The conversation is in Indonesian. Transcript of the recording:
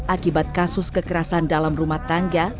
akibat kasus kekerasan dalam rumah tangga